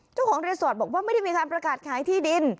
เจ้าของรีสอร์ทบอกว่าไม่ได้มีการประกาศขายที่ดิน